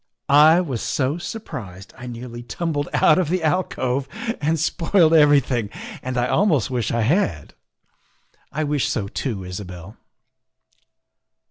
I was so surprised I nearly tumbled out of the alcove and spoiled everything, and I almost wish I had." " I wish so too, Isabel."